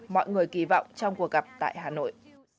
mọi người kỳ vọng trong cuộc gặp tại hà nội